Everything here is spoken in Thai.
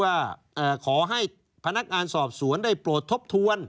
ว่าขอให้พนักงานสอบสวนได้โปรดทบทวน